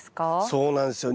そうなんですよ。